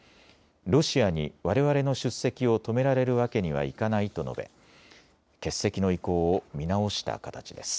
ロシアにわれわれの出席を止められるわけにはいかないと述べ欠席の意向を見直した形です。